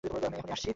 আমি এখুনি আসছি।